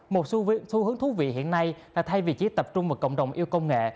một xu hướng thú vị hiện nay là thay vì chỉ tập trung vào cộng đồng yêu công nghệ